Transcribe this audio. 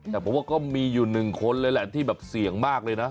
แต่ผมว่าก็มีอยู่หนึ่งคนเลยแหละที่แบบเสี่ยงมากเลยนะ